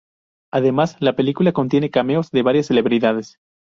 Además, la película contiene cameos de varias celebridades.